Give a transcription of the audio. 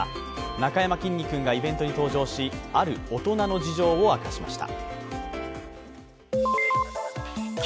なかやまきんに君がイベントに登場し、ある大人の事情を明かしました。